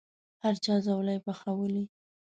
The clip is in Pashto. هر چا ځوالې پخولې.